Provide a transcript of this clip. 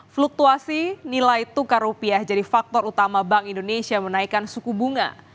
fluktuasi nilai tukar rupiah jadi faktor utama bank indonesia menaikkan suku bunga